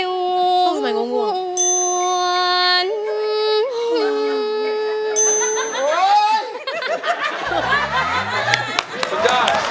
สุดยอด